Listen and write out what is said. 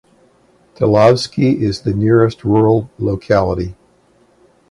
Talovsky is the nearest rural locality.